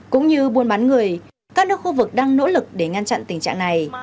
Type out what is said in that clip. cũng như buôn bán người các nước khu vực đang nỗ lực để ngăn chặn tình trạng này